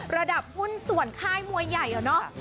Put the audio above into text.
ระดับหุ้นส่วนค่ายมวยใหญ่อะเนาะ